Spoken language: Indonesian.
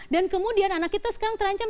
dan kemudian anak kita sekarang terancam